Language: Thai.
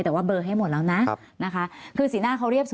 แต่ว่าเบอร์ให้หมดแล้วนะนะคะคือสีหน้าเขาเรียบสุ